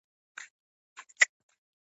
ته نیکمرغه وې شهیده شریک نه سوې